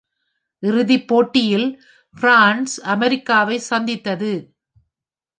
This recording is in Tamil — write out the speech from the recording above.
இறுதிப் போட்டியில், பிரான்ஸ் அமெரிக்காவை சந்தித்தது.